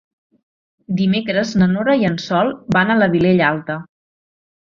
Dimecres na Nora i en Sol van a la Vilella Alta.